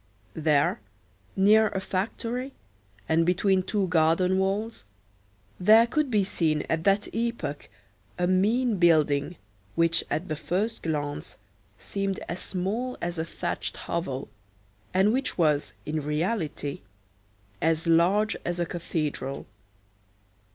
There, near a factory, and between two garden walls, there could be seen, at that epoch, a mean building, which, at the first glance, seemed as small as a thatched hovel, and which was, in reality, as large as a cathedral.